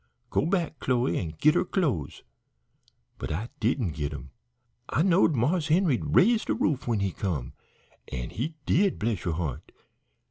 Go back, Chloe, an' git her clo'es.' But I didn't git 'em. I knowed Marse Henry 'd raise de roof when he come, an' he did, bless yo' heart.